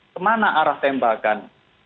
kemana arah tembakan